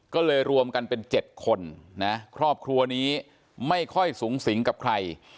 ก็เลยรวมกันเป็น๗คนนะครอบครัวนี้ไม่ค่อยสูงสิงกับใคร